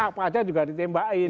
apa aja juga ditembakin